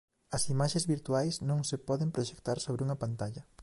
As imaxes virtuais non se poden proxectar sobre unha pantalla.